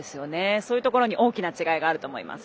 そういうところに大きな違いがあると思います。